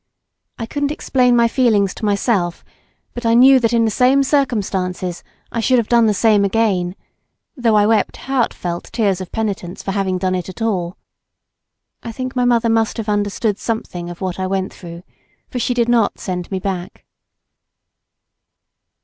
I couldn't explain my feelings to myself, but I knew that in the same circumstances I should have done the same again, though I wept heartfelt tears of penitence for having done it at all. I think my mother must have understood something of what I went through, for she did not send me back.